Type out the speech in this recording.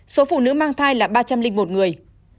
số phụ nữ mang thai là ba trăm linh một người